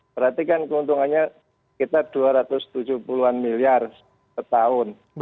berarti kan keuntungannya kita dua ratus tujuh puluh an miliar setahun